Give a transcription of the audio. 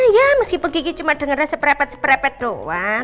ya meskipun kiki cuma dengernya seperepet seperepet doang